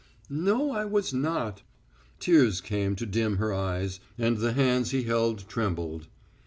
"No, I was not." Tears came to dim her eyes, and the hands he held trembled.